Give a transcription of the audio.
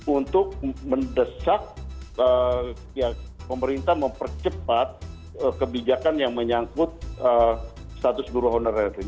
untuk mendesak pemerintah mempercepat kebijakan yang menyangkut status guru honorer